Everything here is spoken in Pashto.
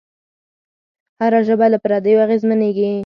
هره ژبه له پردیو اغېزمنېږي.